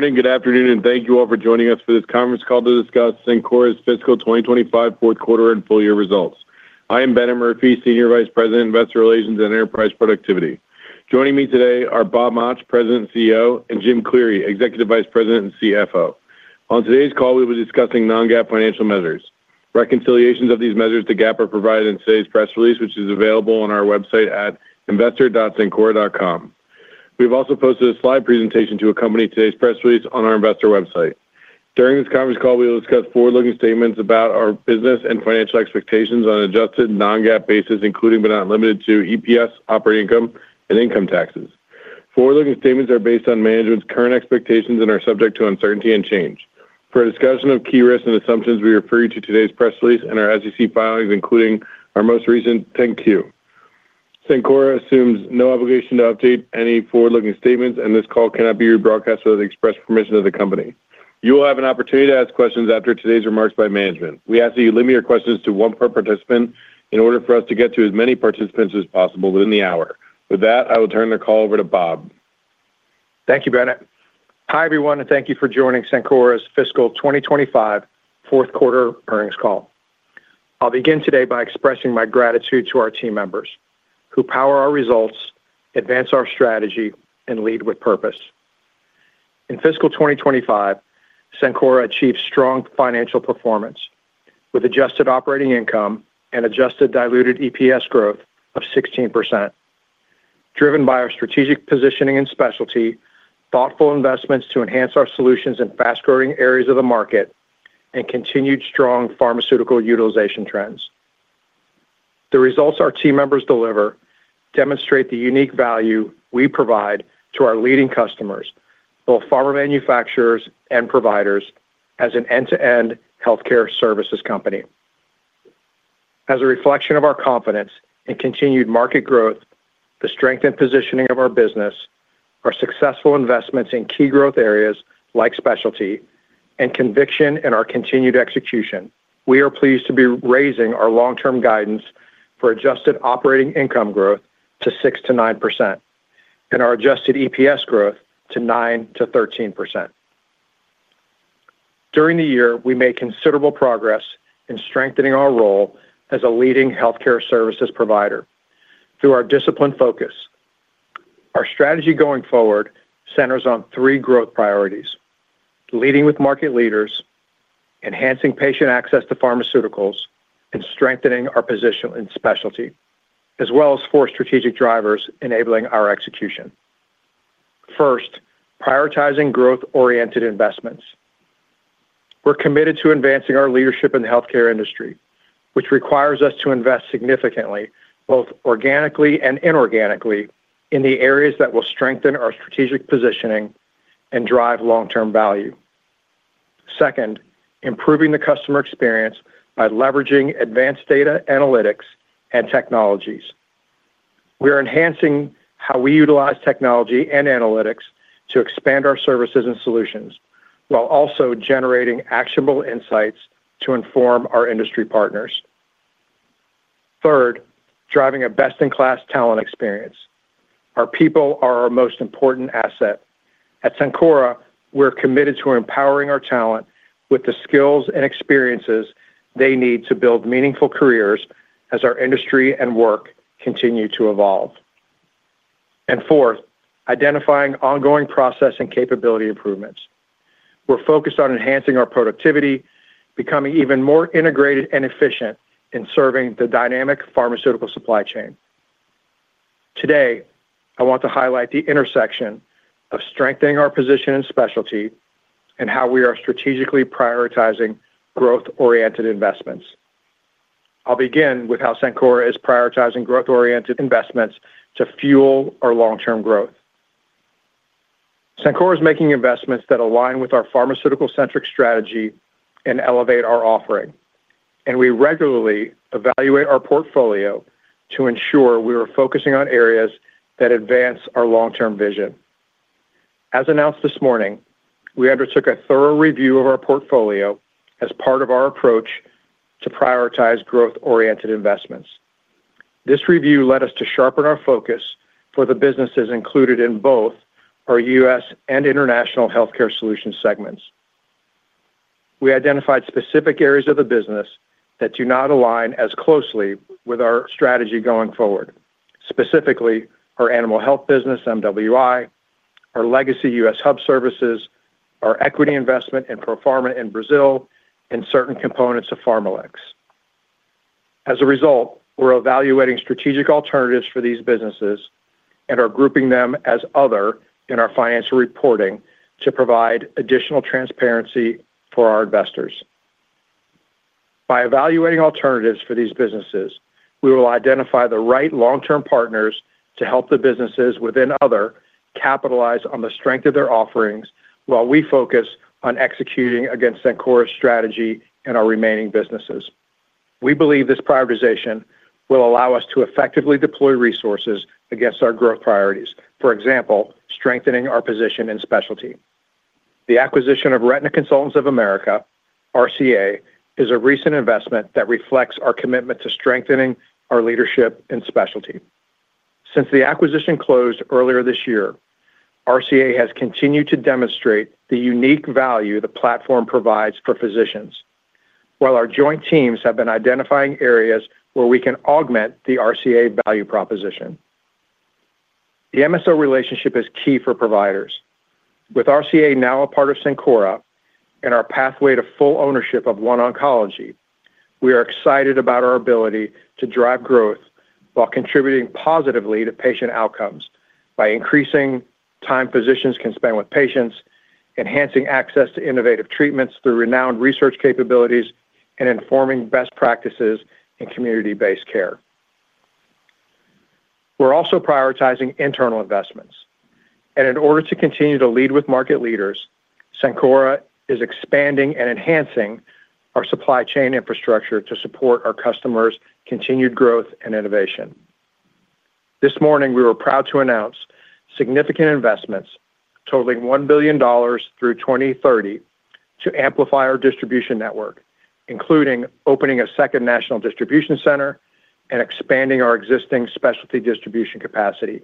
Good morning, good afternoon, and thank you all for joining us for this conference call to discuss Cencora's fiscal 2025 fourth quarter and full year results. I am Bennett Murphy, Senior Vice President, Investor Relations and Enterprise Productivity. Joining me today are Bob Mauch, President and CEO, and Jim Cleary, Executive Vice President and CFO. On today's call, we will be discussing non-GAAP financial measures. Reconciliations of these measures to GAAP are provided in today's press release, which is available on our website at investor.cencora.com. We've also posted a slide presentation to accompany today's press release on our investor website. During this conference call, we will discuss forward-looking statements about our business and financial expectations on an adjusted non-GAAP basis, including but not limited to EPS, operating income, and income taxes. Forward-looking statements are based on management's current expectations and are subject to uncertainty and change. For discussion of key risks and assumptions, we refer you to today's press release and our SEC filings, including our most recent 10-Q. Cencora assumes no obligation to update any forward-looking statements, and this call cannot be rebroadcast without the express permission of the company. You will have an opportunity to ask questions after today's remarks by management. We ask that you limit your questions to one per participant in order for us to get to as many participants as possible within the hour. With that, I will turn the call over to Bob. Thank you, Bennett. Hi everyone, and thank you for joining Cencora's fiscal 2025 fourth quarter earnings call. I'll begin today by expressing my gratitude to our team members who power our results, advance our strategy, and lead with purpose. In fiscal 2025, Cencora achieved strong financial performance with adjusted operating income and adjusted diluted EPS growth of 16%. Driven by our strategic positioning in specialty, thoughtful investments to enhance our solutions in fast-growing areas of the market, and continued strong pharmaceutical utilization trends. The results our team members deliver demonstrate the unique value we provide to our leading customers, both pharma manufacturers and providers, as an end-to-end healthcare services company. As a reflection of our confidence in continued market growth, the strength and positioning of our business. Our successful investments in key growth areas like specialty, and conviction in our continued execution, we are pleased to be raising our long-term guidance for adjusted operating income growth to 6%-9%. And our adjusted EPS growth to 9-13%. During the year, we made considerable progress in strengthening our role as a leading healthcare services provider through our discipline focus. Our strategy going forward centers on three growth priorities: leading with market leaders, enhancing patient access to pharmaceuticals, and strengthening our position in specialty, as well as four strategic drivers enabling our execution. First, prioritizing growth-oriented investments. We're committed to advancing our leadership in the healthcare industry, which requires us to invest significantly, both organically and inorganically, in the areas that will strengthen our strategic positioning and drive long-term value. Second, improving the customer experience by leveraging advanced data analytics and technologies. We are enhancing how we utilize technology and analytics to expand our services and solutions, while also generating actionable insights to inform our industry partners. Third, driving a best-in-class talent experience. Our people are our most important asset. At Cencora, we're committed to empowering our talent with the skills and experiences they need to build meaningful careers as our industry and work continue to evolve. Fourth, identifying ongoing process and capability improvements. We're focused on enhancing our productivity, becoming even more integrated and efficient in serving the dynamic pharmaceutical supply chain. Today, I want to highlight the intersection of strengthening our position in specialty and how we are strategically prioritizing growth-oriented investments. I'll begin with how Cencora is prioritizing growth-oriented investments to fuel our long-term growth. Cencora is making investments that align with our pharmaceutical-centric strategy and elevate our offering. We regularly evaluate our portfolio to ensure we are focusing on areas that advance our long-term vision. As announced this morning, we undertook a thorough review of our portfolio as part of our approach to prioritize growth-oriented investments. This review led us to sharpen our focus for the businesses included in both our U.S. and international healthcare solution segments. We identified specific areas of the business that do not align as closely with our strategy going forward, specifically our animal health business, MWI, our legacy U.S. hub services, our equity investment in ProPharma in Brazil, and certain components of PharmaLex. As a result, we are evaluating strategic alternatives for these businesses and are grouping them as other in our financial reporting to provide additional transparency for our investors. By evaluating alternatives for these businesses, we will identify the right long-term partners to help the businesses within other capitalize on the strength of their offerings while we focus on executing against Sencora's strategy and our remaining businesses. We believe this prioritization will allow us to effectively deploy resources against our growth priorities, for example, strengthening our position in specialty. The acquisition of Retina Consultants of America, RCA, is a recent investment that reflects our commitment to strengthening our leadership in specialty. Since the acquisition closed earlier this year, RCA has continued to demonstrate the unique value the platform provides for physicians, while our joint teams have been identifying areas where we can augment the RCA value proposition. The MSO relationship is key for providers. With RCA now a part of Sencora and our pathway to full ownership of OneOncology, we are excited about our ability to drive growth while contributing positively to patient outcomes by increasing time physicians can spend with patients, enhancing access to innovative treatments through renowned research capabilities, and informing best practices in community-based care. We are also prioritizing internal investments. In order to continue to lead with market leaders, Sencora is expanding and enhancing our supply chain infrastructure to support our customers' continued growth and innovation. This morning, we were proud to announce significant investments totaling $1 billion through 2030 to amplify our distribution network, including opening a second national distribution center and expanding our existing specialty distribution capacity.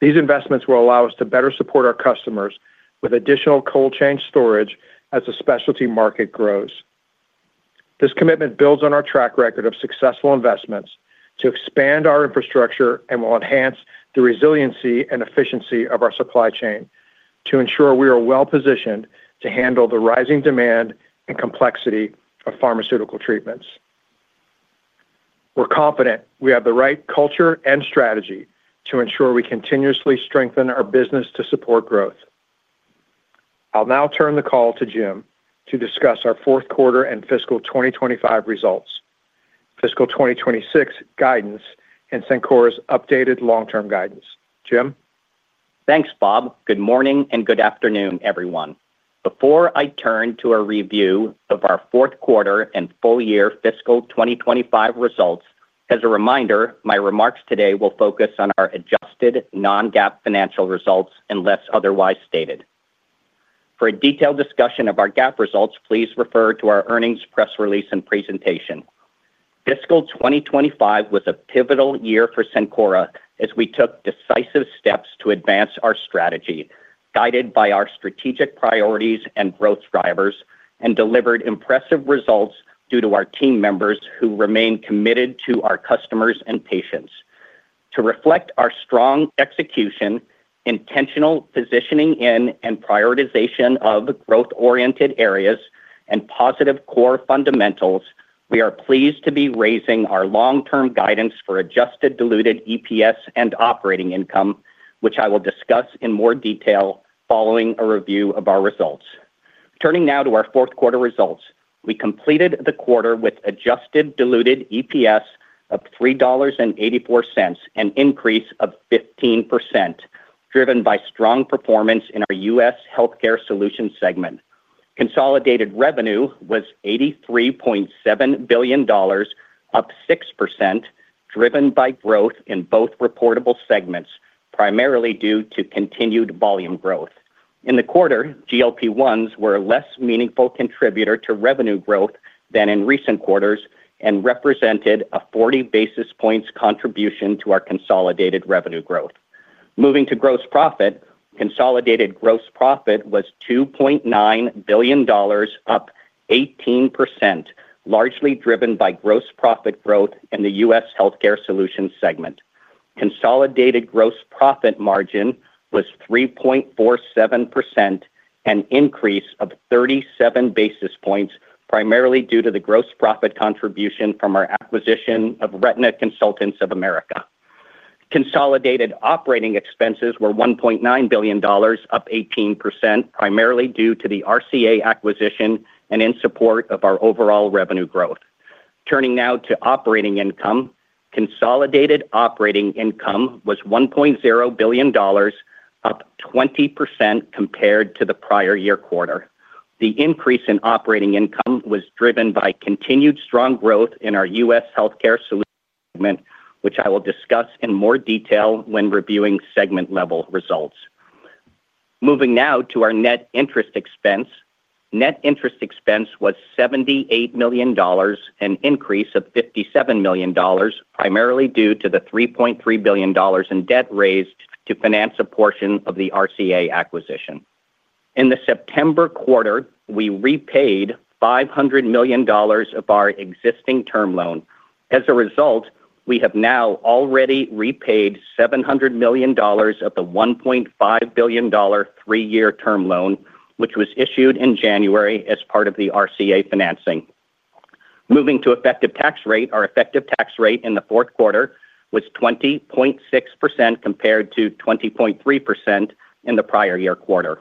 These investments will allow us to better support our customers with additional cold chain storage as the specialty market grows. This commitment builds on our track record of successful investments to expand our infrastructure and will enhance the resiliency and efficiency of our supply chain to ensure we are well-positioned to handle the rising demand and complexity of pharmaceutical treatments. We're confident we have the right culture and strategy to ensure we continuously strengthen our business to support growth. I'll now turn the call to Jim to discuss our fourth quarter and fiscal 2025 results, fiscal 2026 guidance, and Sencora's updated long-term guidance. Jim? Thanks, Bob. Good morning and good afternoon, everyone. Before I turn to a review of our fourth quarter and full year fiscal 2025 results, as a reminder, my remarks today will focus on our adjusted non-GAAP financial results unless otherwise stated. For a detailed discussion of our GAAP results, please refer to our earnings press release and presentation. Fiscal 2025 was a pivotal year for Cencora as we took decisive steps to advance our strategy, guided by our strategic priorities and growth drivers, and delivered impressive results due to our team members who remain committed to our customers and patients. To reflect our strong execution, intentional positioning in and prioritization of growth-oriented areas, and positive core fundamentals, we are pleased to be raising our long-term guidance for adjusted diluted EPS and operating income, which I will discuss in more detail following a review of our results. Turning now to our fourth quarter results, we completed the quarter with adjusted diluted EPS of $3.84, an increase of 15%, driven by strong performance in our U.S. healthcare solution segment. Consolidated revenue was $83.7 billion, up 6%, driven by growth in both reportable segments, primarily due to continued volume growth. In the quarter, GLP-1s were a less meaningful contributor to revenue growth than in recent quarters and represented a 40 basis points contribution to our consolidated revenue growth. Moving to gross profit, consolidated gross profit was $2.9 billion, up 18%, largely driven by gross profit growth in the U.S. healthcare solution segment. Consolidated gross profit margin was 3.47%, an increase of 37 basis points, primarily due to the gross profit contribution from our acquisition of Retina Consultants of America. Consolidated operating expenses were $1.9 billion, up 18%, primarily due to the RCA acquisition and in support of our overall revenue growth. Turning now to operating income, consolidated operating income was $1.0 billion, up 20% compared to the prior year quarter. The increase in operating income was driven by continued strong growth in our U.S. healthcare solution segment, which I will discuss in more detail when reviewing segment-level results. Moving now to our net interest expense. Net interest expense was $78 million, an increase of $57 million, primarily due to the $3.3 billion in debt raised to finance a portion of the RCA acquisition. In the September quarter, we repaid $500 million of our existing term loan. As a result, we have now already repaid $700 million of the $1.5 billion three-year term loan, which was issued in January as part of the RCA financing. Moving to effective tax rate, our effective tax rate in the fourth quarter was 20.6% compared to 20.3% in the prior year quarter.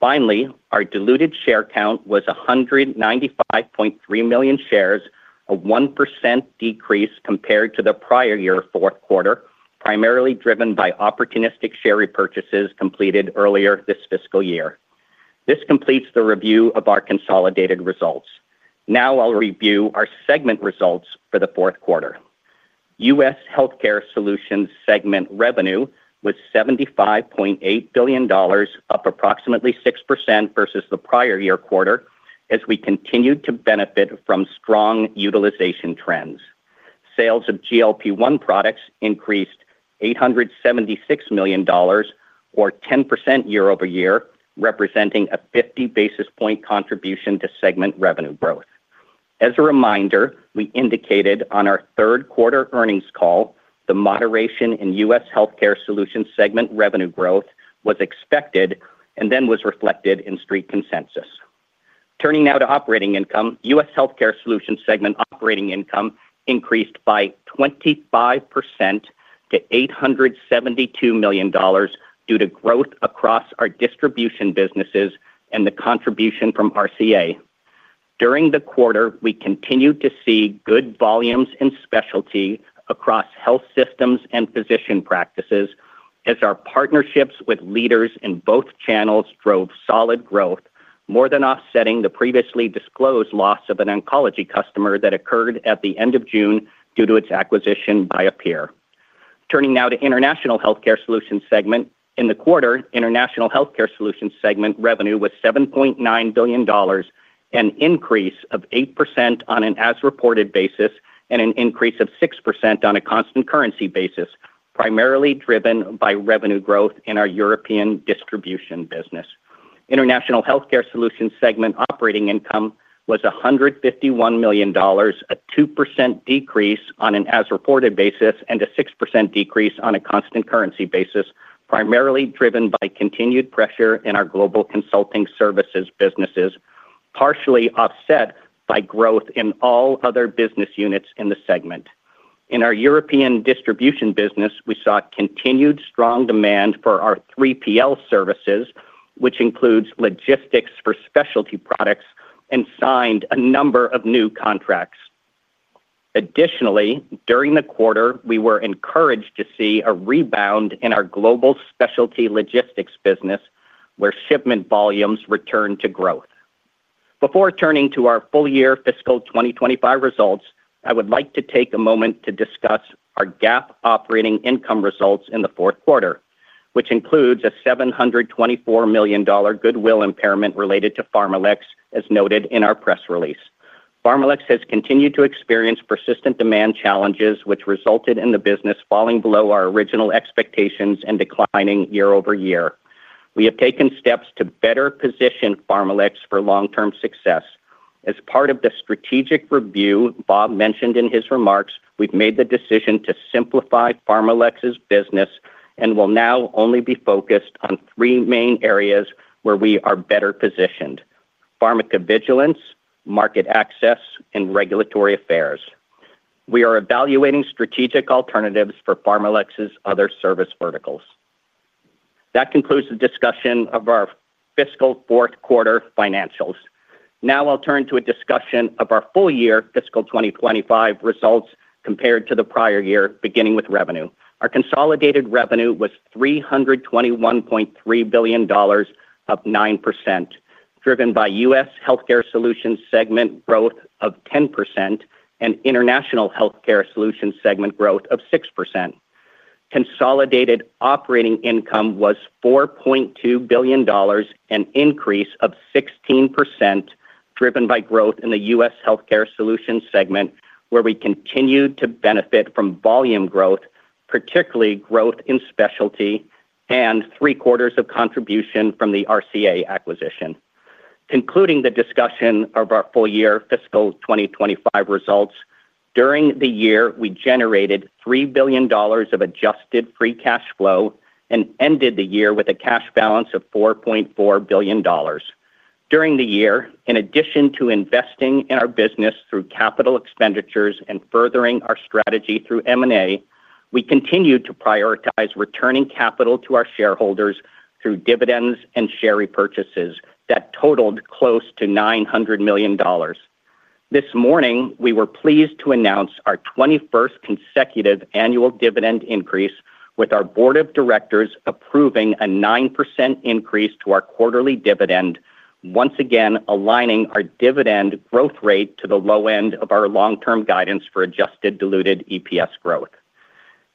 Finally, our diluted share count was 195.3 million shares, a 1% decrease compared to the prior year fourth quarter, primarily driven by opportunistic share repurchases completed earlier this fiscal year. This completes the review of our consolidated results. Now I'll review our segment results for the fourth quarter. U.S. healthcare solutions segment revenue was $75.8 billion, up approximately 6% versus the prior year quarter, as we continued to benefit from strong utilization trends. Sales of GLP-1 products increased $876 million, or 10% year-over-year, representing a 50 basis point contribution to segment revenue growth. As a reminder, we indicated on our third quarter earnings call, the moderation in U.S. healthcare solution segment revenue growth was expected and then was reflected in street consensus. Turning now to operating income, U.S. healthcare solution segment operating income increased by 25% to $872 million due to growth across our distribution businesses and the contribution from RCA. During the quarter, we continued to see good volumes in specialty across health systems and physician practices as our partnerships with leaders in both channels drove solid growth, more than offsetting the previously disclosed loss of an oncology customer that occurred at the end of June due to its acquisition by a peer. Turning now to international healthcare solutions segment, in the quarter, international healthcare solutions segment revenue was $7.9 billion, an increase of 8% on an as-reported basis and an increase of 6% on a constant currency basis, primarily driven by revenue growth in our European distribution business. International healthcare solutions segment operating income was $151 million, a 2% decrease on an as-reported basis and a 6% decrease on a constant currency basis, primarily driven by continued pressure in our global consulting services businesses, partially offset by growth in all other business units in the segment. In our European distribution business, we saw continued strong demand for our 3PL services, which includes logistics for specialty products and signed a number of new contracts. Additionally, during the quarter, we were encouraged to see a rebound in our global specialty logistics business, where shipment volumes returned to growth. Before turning to our full year fiscal 2025 results, I would like to take a moment to discuss our GAAP operating income results in the fourth quarter, which includes a $724 million goodwill impairment related to PharmaLex, as noted in our press release. PharmaLex has continued to experience persistent demand challenges, which resulted in the business falling below our original expectations and declining year-over-year. We have taken steps to better position PharmaLex for long-term success. As part of the strategic review Bob mentioned in his remarks, we've made the decision to simplify PharmaLex's business and will now only be focused on three main areas where we are better positioned: pharmacovigilance, market access, and regulatory affairs. We are evaluating strategic alternatives for PharmaLex's other service verticals. That concludes the discussion of our fiscal fourth quarter financials. Now I'll turn to a discussion of our full year fiscal 2025 results compared to the prior year, beginning with revenue. Our consolidated revenue was $321.3 billion, up 9%, driven by U.S. healthcare solutions segment growth of 10% and international healthcare solutions segment growth of 6%. Consolidated operating income was $4.2 billion, an increase of 16%, driven by growth in the U.S. healthcare solutions segment, where we continued to benefit from volume growth, particularly growth in specialty, and three-quarters of contribution from the RCA acquisition. Concluding the discussion of our full year fiscal 2025 results, during the year, we generated $3 billion of adjusted free cash flow and ended the year with a cash balance of $4.4 billion. During the year, in addition to investing in our business through capital expenditures and furthering our strategy through M&A, we continued to prioritize returning capital to our shareholders through dividends and share repurchases that totaled close to $900 million. This morning, we were pleased to announce our 21st consecutive annual dividend increase, with our board of directors approving a 9% increase to our quarterly dividend, once again aligning our dividend growth rate to the low end of our long-term guidance for adjusted diluted EPS growth.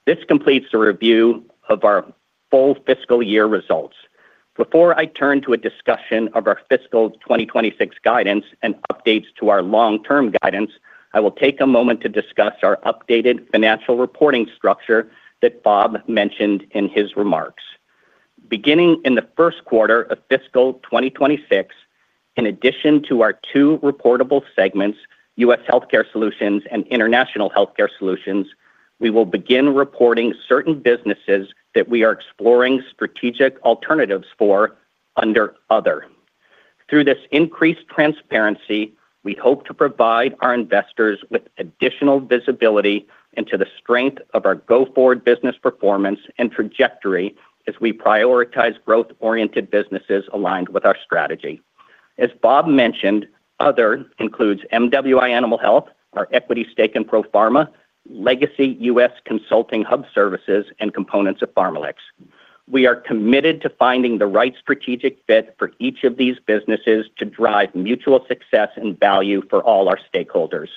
This completes the review of our full fiscal year results. Before I turn to a discussion of our fiscal 2026 guidance and updates to our long-term guidance, I will take a moment to discuss our updated financial reporting structure that Bob mentioned in his remarks. Beginning in the first quarter of fiscal 2026, in addition to our two reportable segments, U.S. healthcare solutions and international healthcare solutions, we will begin reporting certain businesses that we are exploring strategic alternatives for under other. Through this increased transparency, we hope to provide our investors with additional visibility into the strength of our go-forward business performance and trajectory as we prioritize growth-oriented businesses aligned with our strategy. As Bob mentioned, other includes MWI Animal Health, our equity stake in ProPharma, Legacy U.S. Consulting Hub Services, and components of PharmaLex. We are committed to finding the right strategic fit for each of these businesses to drive mutual success and value for all our stakeholders.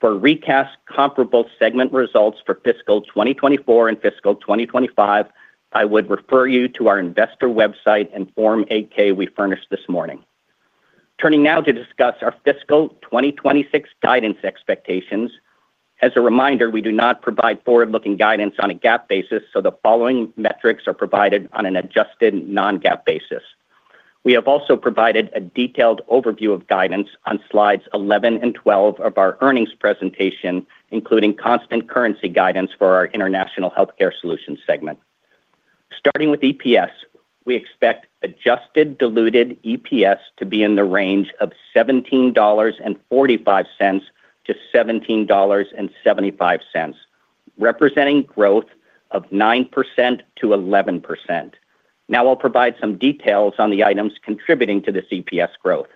For recast comparable segment results for fiscal 2024 and fiscal 2025, I would refer you to our investor website and Form AK we furnished this morning. Turning now to discuss our fiscal 2026 guidance expectations. As a reminder, we do not provide forward-looking guidance on a GAAP basis, so the following metrics are provided on an adjusted non-GAAP basis. We have also provided a detailed overview of guidance on slides 11 and 12 of our earnings presentation, including constant currency guidance for our international healthcare solutions segment. Starting with EPS, we expect adjusted diluted EPS to be in the range of $17.45-$17.75, representing growth of 9%-11%. Now I'll provide some details on the items contributing to this EPS growth.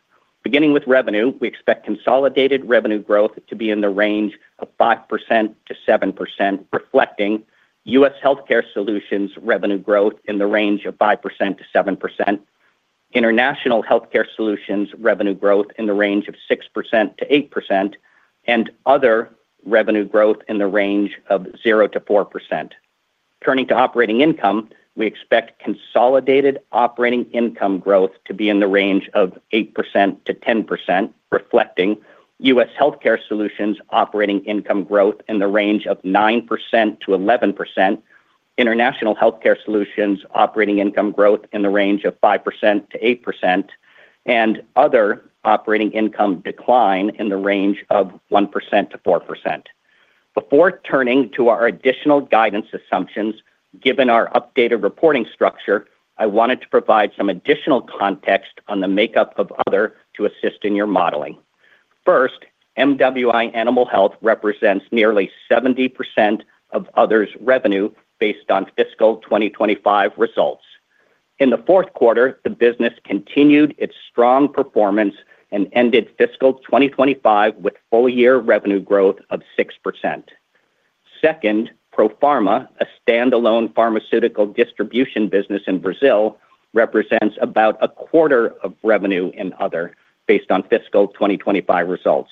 Beginning with revenue, we expect consolidated revenue growth to be in the range of 5%-7%, reflecting U.S. healthcare solutions revenue growth in the range of 5%-7%, international healthcare solutions revenue growth in the range of 6%-8%, and other revenue growth in the range of 0%-4%. Turning to operating income, we expect consolidated operating income growth to be in the range of 8%-10%, reflecting U.S. healthcare solutions operating income growth in the range of 9%-11%. International healthcare solutions operating income growth in the range of 5%-8%, and other operating income decline in the range of 1%-4%. Before turning to our additional guidance assumptions, given our updated reporting structure, I wanted to provide some additional context on the makeup of other to assist in your modeling. First, MWI Animal Health represents nearly 70% of other's revenue based on fiscal 2025 results. In the fourth quarter, the business continued its strong performance and ended fiscal 2025 with full year revenue growth of 6%. Second, ProPharma, a standalone pharmaceutical distribution business in Brazil, represents about a quarter of revenue in other based on fiscal 2025 results.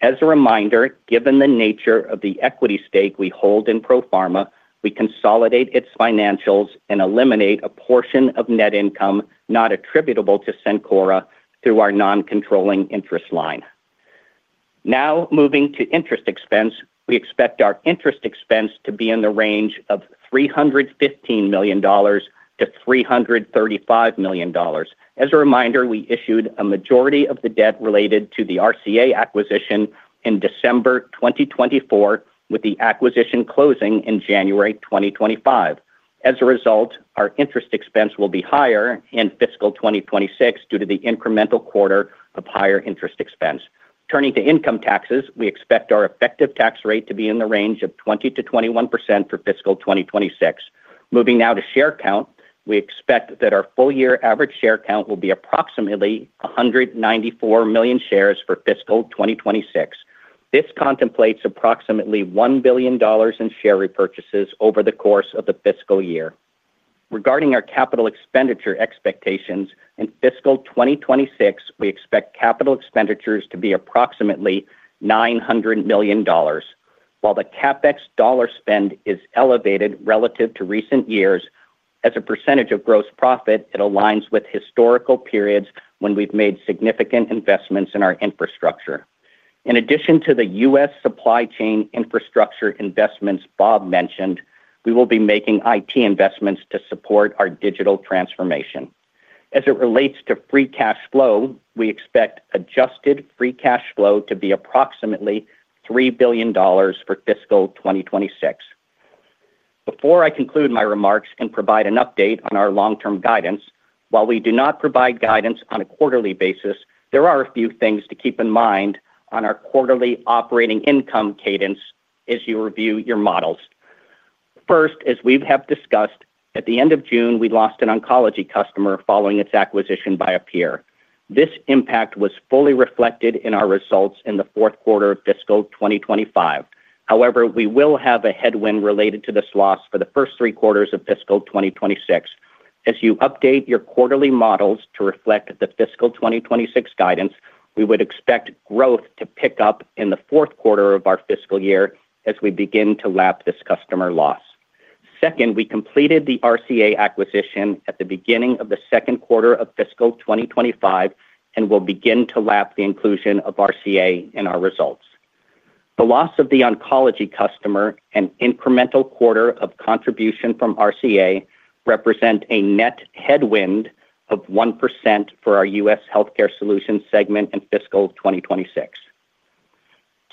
As a reminder, given the nature of the equity stake we hold in ProPharma, we consolidate its financials and eliminate a portion of net income not attributable to Cencora through our non-controlling interest line. Now moving to interest expense, we expect our interest expense to be in the range of $315 million-$335 million. As a reminder, we issued a majority of the debt related to the RCA acquisition in December 2024, with the acquisition closing in January 2025. As a result, our interest expense will be higher in fiscal 2026 due to the incremental quarter of higher interest expense. Turning to income taxes, we expect our effective tax rate to be in the range of 20%-21% for fiscal 2026. Moving now to share count, we expect that our full year average share count will be approximately 194 million shares for fiscal 2026. This contemplates approximately $1 billion in share repurchases over the course of the fiscal year. Regarding our capital expenditure expectations in fiscal 2026, we expect capital expenditures to be approximately $900 million. While the CapEx dollar spend is elevated relative to recent years, as a percentage of gross profit, it aligns with historical periods when we've made significant investments in our infrastructure. In addition to the U.S. supply chain infrastructure investments Bob mentioned, we will be making IT investments to support our digital transformation. As it relates to free cash flow, we expect adjusted free cash flow to be approximately $3 billion for fiscal 2026. Before I conclude my remarks and provide an update on our long-term guidance, while we do not provide guidance on a quarterly basis, there are a few things to keep in mind on our quarterly operating income cadence as you review your models. First, as we have discussed, at the end of June, we lost an oncology customer following its acquisition by a peer. This impact was fully reflected in our results in the fourth quarter of fiscal 2025. However, we will have a headwind related to this loss for the first three quarters of fiscal 2026. As you update your quarterly models to reflect the fiscal 2026 guidance, we would expect growth to pick up in the fourth quarter of our fiscal year as we begin to lap this customer loss. Second, we completed the RCA acquisition at the beginning of the second quarter of fiscal 2025 and will begin to lap the inclusion of RCA in our results. The loss of the oncology customer and incremental quarter of contribution from RCA represent a net headwind of 1% for our U.S. healthcare solutions segment in fiscal 2026.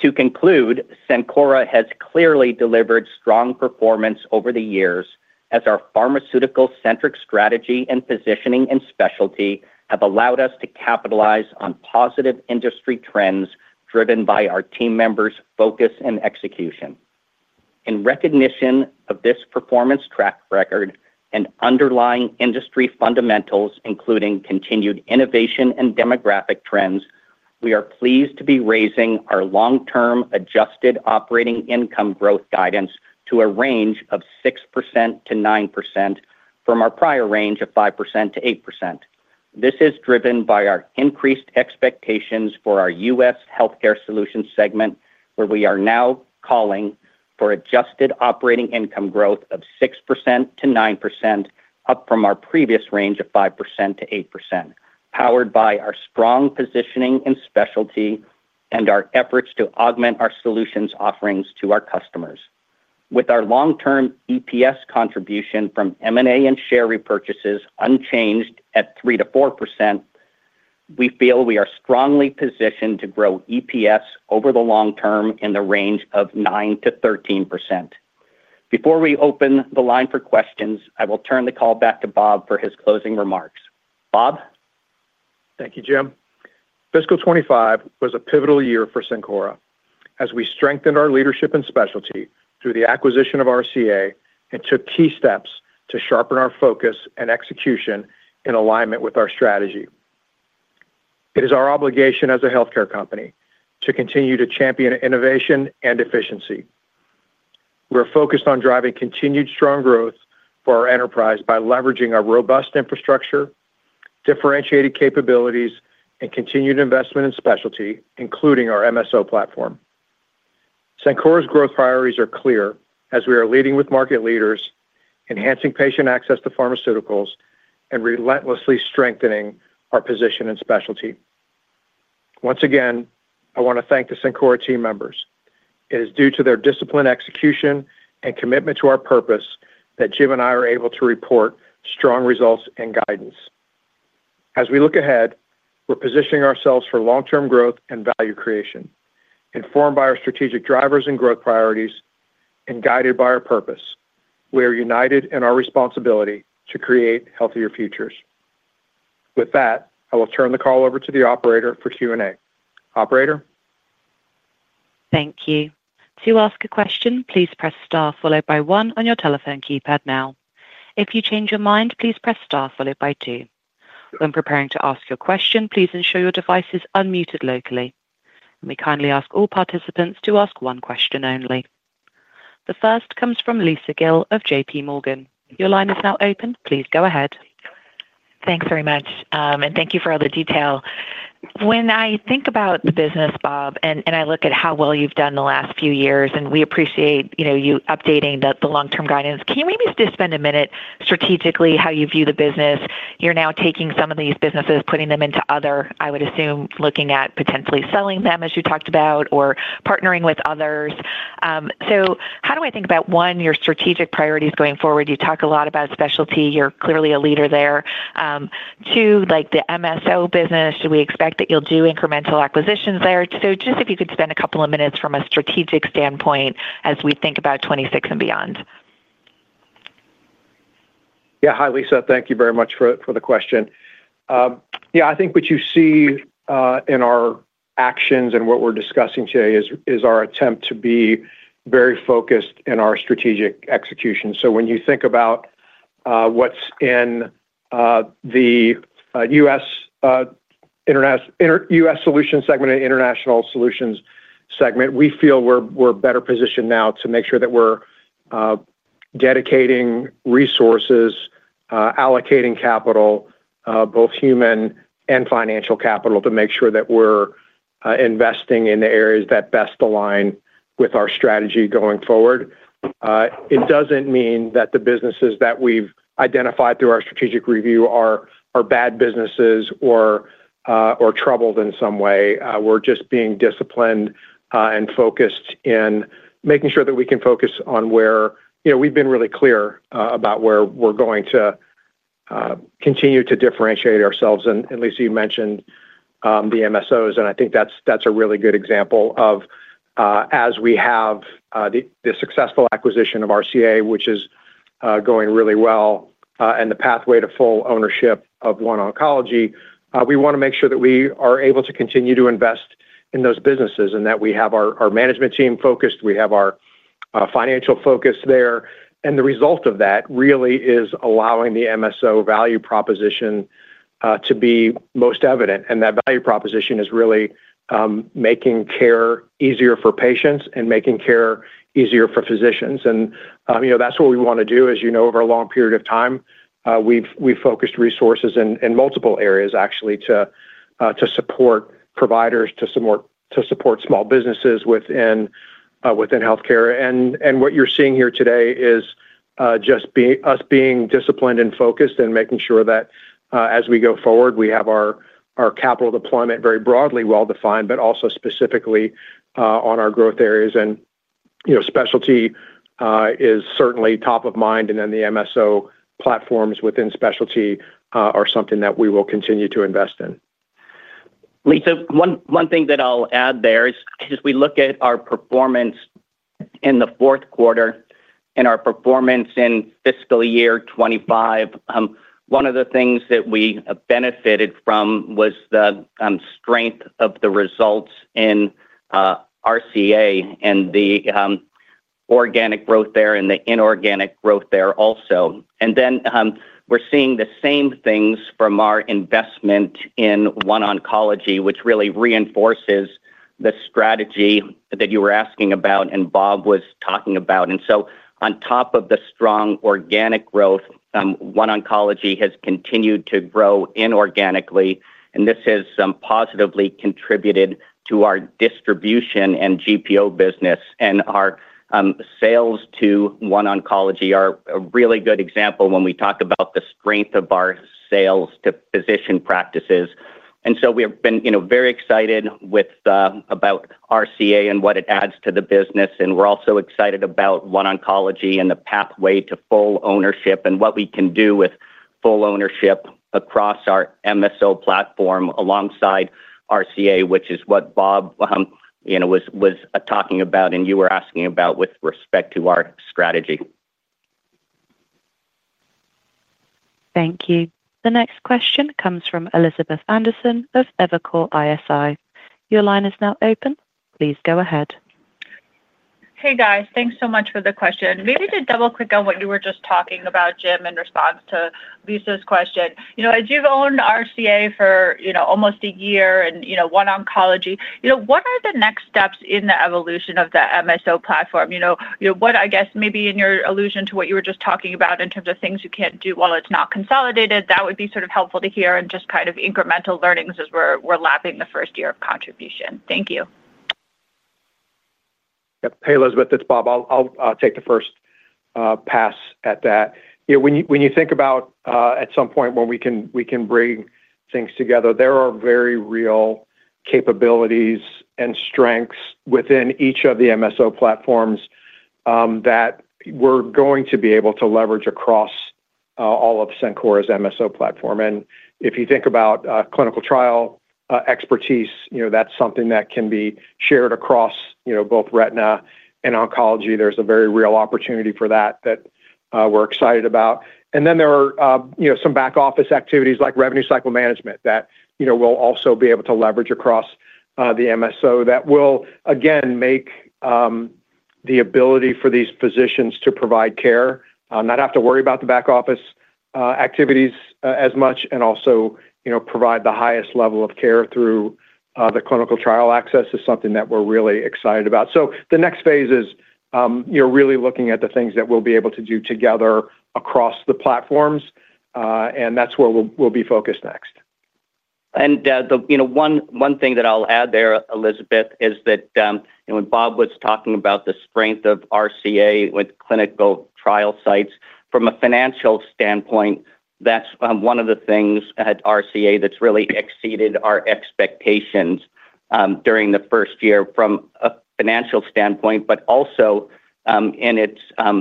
To conclude, Sencora has clearly delivered strong performance over the years as our pharmaceutical-centric strategy and positioning in specialty have allowed us to capitalize on positive industry trends driven by our team members' focus and execution. In recognition of this performance track record and underlying industry fundamentals, including continued innovation and demographic trends, we are pleased to be raising our long-term adjusted operating income growth guidance to a range of 6%-9% from our prior range of 5%-8%. This is driven by our increased expectations for our U.S. healthcare solutions segment, where we are now calling for adjusted operating income growth of 6%-9% up from our previous range of 5%-8%, powered by our strong positioning in specialty and our efforts to augment our solutions offerings to our customers. With our long-term EPS contribution from M&A and share repurchases unchanged at 3%-4%. We feel we are strongly positioned to grow EPS over the long term in the range of 9%-13%. Before we open the line for questions, I will turn the call back to Bob for his closing remarks. Bob? Thank you, Jim. Fiscal 2025 was a pivotal year for Sencora. As we strengthened our leadership in specialty through the acquisition of RCA and took key steps to sharpen our focus and execution in alignment with our strategy. It is our obligation as a healthcare company to continue to champion innovation and efficiency. We are focused on driving continued strong growth for our enterprise by leveraging our robust infrastructure, differentiated capabilities, and continued investment in specialty, including our MSO platform. Sencora's growth priorities are clear as we are leading with market leaders, enhancing patient access to pharmaceuticals, and relentlessly strengthening our position in specialty. Once again, I want to thank the Sencora team members. It is due to their disciplined execution and commitment to our purpose that Jim and I are able to report strong results and guidance. As we look ahead, we're positioning ourselves for long-term growth and value creation. Informed by our strategic drivers and growth priorities, and guided by our purpose, we are united in our responsibility to create healthier futures. With that, I will turn the call over to the operator for Q&A. Operator? Thank you. To ask a question, please press star followed by one on your telephone keypad now. If you change your mind, please press star followed by two. When preparing to ask your question, please ensure your device is unmuted locally. We kindly ask all participants to ask one question only. The first comes from Lisa Gill of JPMorgan. Your line is now open. Please go ahead. Thanks very much, and thank you for all the detail. When I think about the business, Bob, and I look at how well you've done the last few years, and we appreciate you updating the long-term guidance, can you maybe just spend a minute strategically how you view the business? You're now taking some of these businesses, putting them into other, I would assume, looking at potentially selling them as you talked about, or partnering with others. How do I think about, one, your strategic priorities going forward? You talk a lot about specialty. You're clearly a leader there. Two, like the MSO business, do we expect that you'll do incremental acquisitions there? Just if you could spend a couple of minutes from a strategic standpoint as we think about 2026 and beyond. Yeah. Hi, Lisa. Thank you very much for the question. Yeah, I think what you see in our actions and what we're discussing today is our attempt to be very focused in our strategic execution. When you think about what's in the U.S. Solutions segment and international solutions segment, we feel we're better positioned now to make sure that we're dedicating resources, allocating capital, both human and financial capital, to make sure that we're investing in the areas that best align with our strategy going forward. It doesn't mean that the businesses that we've identified through our strategic review are bad businesses or troubled in some way. We're just being disciplined and focused in making sure that we can focus on where we've been really clear about where we're going to continue to differentiate ourselves. Lisa, you mentioned the MSOs, and I think that's a really good example of as we have. The successful acquisition of RCA, which is going really well, and the pathway to full ownership of OneOncology, we want to make sure that we are able to continue to invest in those businesses and that we have our management team focused, we have our financial focus there. The result of that really is allowing the MSO value proposition to be most evident. That value proposition is really making care easier for patients and making care easier for physicians. That is what we want to do. As you know, over a long period of time, we have focused resources in multiple areas, actually, to support providers, to support small businesses within healthcare. What you are seeing here today is just us being disciplined and focused and making sure that as we go forward, we have our capital deployment very broadly well-defined, but also specifically on our growth areas. Specialty is certainly top of mind. The MSO platforms within specialty are something that we will continue to invest in. Lisa, one thing that I'll add there is if we look at our performance in the fourth quarter and our performance in fiscal year 2025, one of the things that we benefited from was the strength of the results in RCA and the organic growth there and the inorganic growth there also. We are seeing the same things from our investment in OneOncology, which really reinforces the strategy that you were asking about and Bob was talking about. On top of the strong organic growth, OneOncology has continued to grow inorganically, and this has positively contributed to our distribution and GPO business. Our sales to OneOncology are a really good example when we talk about the strength of our sales to physician practices. We have been very excited about RCA and what it adds to the business. We are also excited about OneOncology and the pathway to full ownership and what we can do with full ownership across our MSO platform alongside RCA, which is what Bob was talking about and you were asking about with respect to our strategy. Thank you. The next question comes from Elizabeth Anderson of Evercore ISI. Your line is now open. Please go ahead. Hey, guys. Thanks so much for the question. Maybe to double-click on what you were just talking about, Jim, in response to Lisa's question. As you have owned RCA for almost a year and OneOncology, what are the next steps in the evolution of the MSO platform? What, I guess, maybe in your allusion to what you were just talking about in terms of things you can't do while it's not consolidated, that would be sort of helpful to hear and just kind of incremental learnings as we're lapping the first year of contribution. Thank you. Hey, Elizabeth, it's Bob. I'll take the first pass at that. When you think about at some point when we can bring things together, there are very real capabilities and strengths within each of the MSO platforms that we're going to be able to leverage across all of Sencora's MSO platform. If you think about clinical trial expertise, that's something that can be shared across both retina and oncology. There's a very real opportunity for that that we're excited about. There are some back-office activities like revenue cycle management that we'll also be able to leverage across the MSO that will, again, make the ability for these physicians to provide care, not have to worry about the back-office activities as much, and also provide the highest level of care through the clinical trial access is something that we're really excited about. The next phase is really looking at the things that we'll be able to do together across the platforms, and that's where we'll be focused next. One thing that I'll add there, Elizabeth, is that when Bob was talking about the strength of RCA with clinical trial sites, from a financial standpoint, that's one of the things at RCA that's really exceeded our expectations during the first year from a financial standpoint, but also. In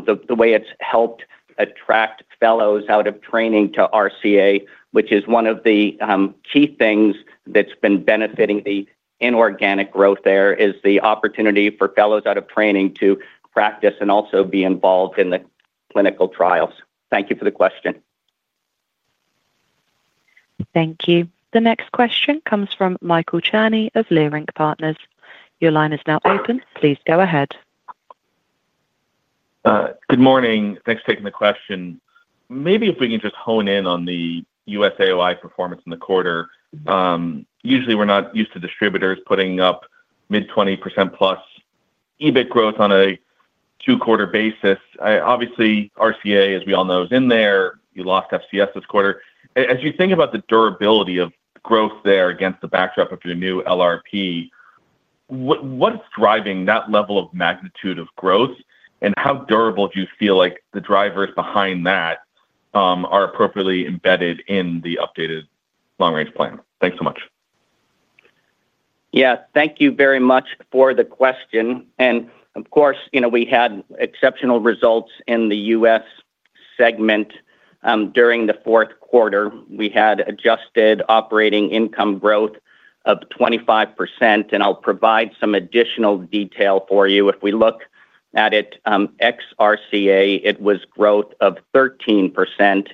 the way it's helped attract fellows out of training to RCA, which is one of the key things that's been benefiting the inorganic growth there, is the opportunity for fellows out of training to practice and also be involved in the clinical trials. Thank you for the question. Thank you. The next question comes from Michael Cherny of Leerink Partners. Your line is now open. Please go ahead. Good morning. Thanks for taking the question. Maybe if we can just hone in on the USAOI performance in the quarter. Usually, we're not used to distributors putting up mid-20%+ EBIT growth on a two-quarter basis. Obviously, RCA, as we all know, is in there. You lost FCS this quarter. As you think about the durability of growth there against the backdrop of your new LRP. What's driving that level of magnitude of growth, and how durable do you feel like the drivers behind that are appropriately embedded in the updated long-range plan? Thanks so much. Yeah. Thank you very much for the question. Of course, we had exceptional results in the U.S. segment during the fourth quarter. We had adjusted operating income growth of 25%. I'll provide some additional detail for you. If we look at it ex-RCA, it was growth of 13%.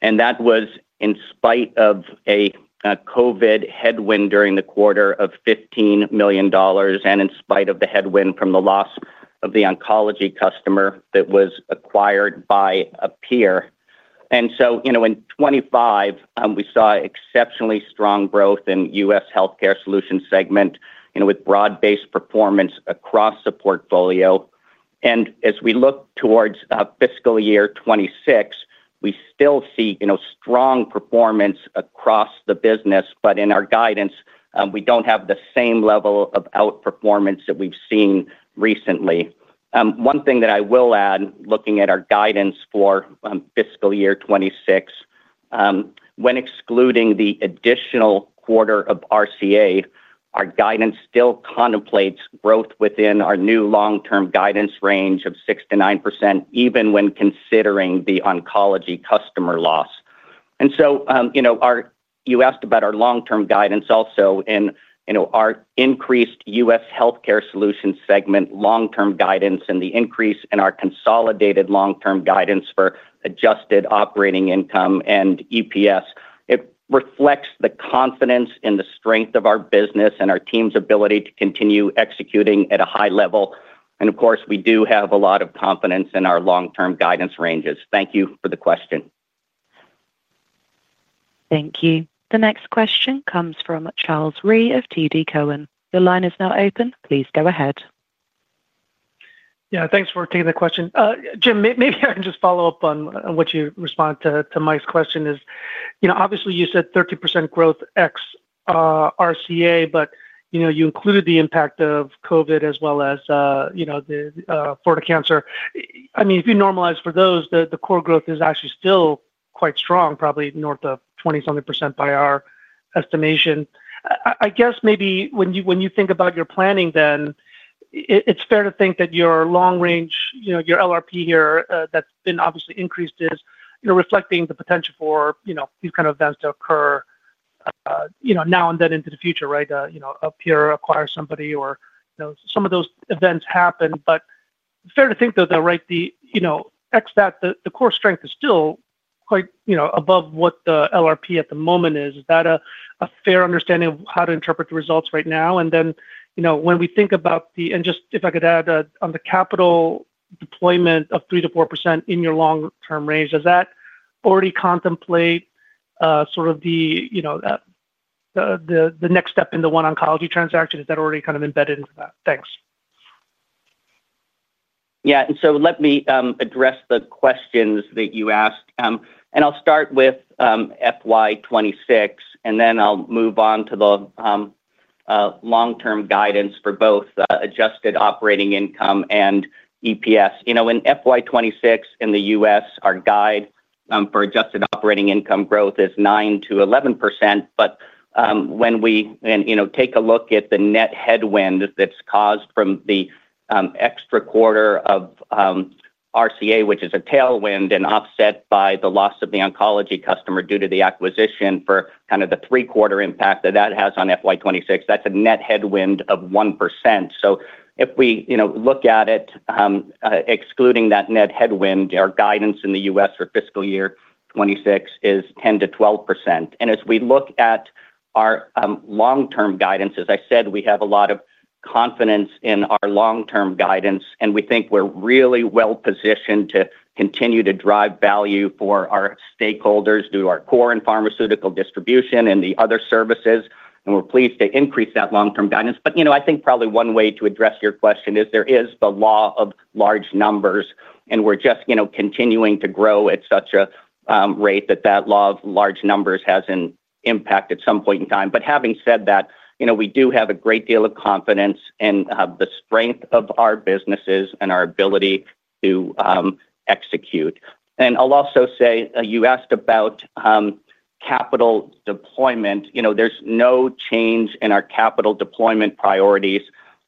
That was in spite of a COVID headwind during the quarter of $15 million, and in spite of the headwind from the loss of the oncology customer that was acquired by a peer. In 2025, we saw exceptionally strong growth in the U.S. healthcare solution segment with broad-based performance across the portfolio. As we look towards fiscal year 2026, we still see strong performance across the business, but in our guidance, we do not have the same level of outperformance that we have seen recently. One thing that I will add, looking at our guidance for fiscal year 2026. When excluding the additional quarter of RCA, our guidance still contemplates growth within our new long-term guidance range of 6%-9%, even when considering the oncology customer loss. You asked about our long-term guidance also, and our increased U.S. healthcare solution segment long-term guidance and the increase in our consolidated long-term guidance for adjusted operating income and EPS, it reflects the confidence in the strength of our business and our team's ability to continue executing at a high level. Of course, we do have a lot of confidence in our long-term guidance ranges. Thank you for the question. Thank you. The next question comes from Charles Rhyee of TD Cowen. Your line is now open. Please go ahead. Yeah. Thanks for taking the question. Jim, maybe I can just follow up on what you respond to Mike's question is, obviously, you said 30% growth ex-RCA, but you included the impact of COVID as well as the Florida cancer. I mean, if you normalize for those, the core growth is actually still quite strong, probably north of 20-something percent by our estimation. I guess maybe when you think about your planning then, it's fair to think that your long-range, your LRP here that's been obviously increased is reflecting the potential for these kind of events to occur. Now and then into the future, right? A peer acquires somebody or some of those events happen. But fair to think, though, right. In fact, the core strength is still quite above what the LRP at the moment is. Is that a fair understanding of how to interpret the results right now? And then when we think about the—and just if I could add on the capital. Deployment of 3%-4% in your long-term range, does that already contemplate sort of the next step in the One Oncology transaction? Is that already kind of embedded into that? Thanks. Yeah. And so let me address the questions that you asked. I'll start with FY 2026, and then I'll move on to the long-term guidance for both adjusted operating income and EPS. In FY 2026, in the U.S., our guide for adjusted operating income growth is 9%-11%. When we take a look at the net headwind that's caused from the extra quarter of. RCA, which is a tailwind and offset by the loss of the oncology customer due to the acquisition for kind of the three-quarter impact that that has on fiscal year 2026, that's a net headwind of 1%. If we look at it, excluding that net headwind, our guidance in the U.S. for fiscal year 2026 is 10%-12%. As we look at our long-term guidance, as I said, we have a lot of confidence in our long-term guidance, and we think we're really well-positioned to continue to drive value for our stakeholders through our core and pharmaceutical distribution and the other services. We're pleased to increase that long-term guidance. I think probably one way to address your question is there is the law of large numbers, and we're just continuing to grow at such a rate that that law of large numbers has an impact at some point in time. Having said that, we do have a great deal of confidence in the strength of our businesses and our ability to execute. I'll also say you asked about capital deployment. There's no change in our capital deployment priorities